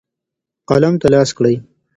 قلم ته لاس کړئ.